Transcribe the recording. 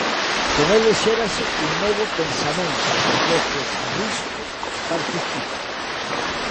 Con eles xérase un novo pensamento do que Risco participa.